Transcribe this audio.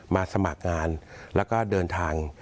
สมัครงานแล้วก็เดินทาง